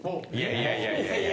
いやいや、いやいや。